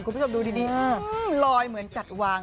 คุณผู้ชมดูดีลอยเหมือนจัดวาง